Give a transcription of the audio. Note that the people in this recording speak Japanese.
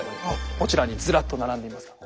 こちらにずらっと並んでいますけど。